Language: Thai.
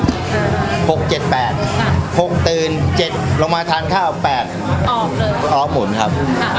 หกเจ็ดแปดค่ะหกตื่นเจ็ดลงมาทานข้าวแปดออกเลยออกผลครับค่ะ